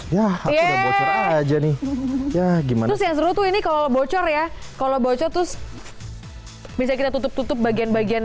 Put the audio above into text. ya aja nih ya gimana tuh ini kalau bocor ya kalau bocor tuh bisa kita tutup tutup bagian bagian